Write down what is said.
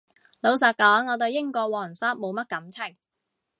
老實講我對英國皇室冇乜感情